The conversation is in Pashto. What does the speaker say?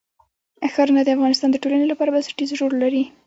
ښارونه د افغانستان د ټولنې لپاره بنسټيز رول لري.